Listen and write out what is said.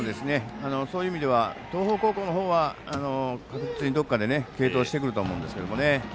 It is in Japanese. そういう意味では東邦高校のほうは確実にどこかで継投してくると思うんですが。